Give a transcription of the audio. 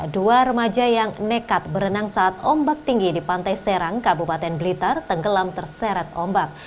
dua remaja yang nekat berenang saat ombak tinggi di pantai serang kabupaten blitar tenggelam terseret ombak